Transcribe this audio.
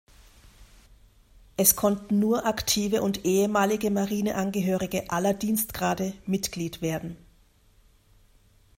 Es konnten nur aktive und ehemalige Marineangehörige aller Dienstgrade Mitglied werden.